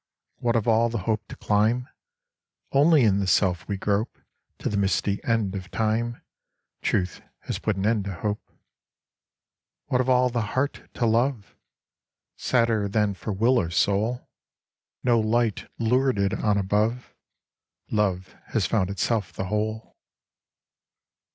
What of all the hope to climb ? Only in the self we grope To the misty end of time : Truth has put an end to hope. What of all the heart to love ? Sadder than for will or soul, No light lured it on above ; Love has found itself the whole.